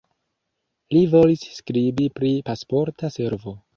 Li volis skribi pri Pasporta Servo.